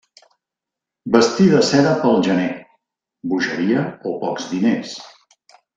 Vestir de seda pel gener; bogeria o pocs diners.